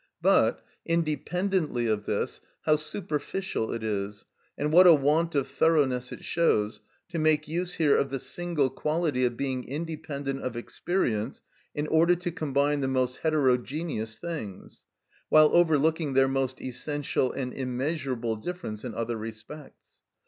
But, independently of this, how superficial it is, and what a want of thoroughness it shows, to make use here of the single quality of being independent of experience in order to combine the most heterogeneous things, while overlooking their most essential and immeasurable difference in other respects.